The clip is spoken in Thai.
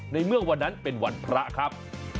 ในเมื่อวันนั้นเป็นวันพระครับ